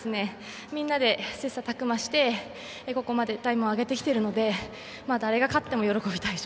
みんなで切磋琢磨してここまでタイムを上げてきているので誰が勝っても喜びたいし。